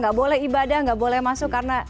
nggak boleh ibadah nggak boleh masuk karena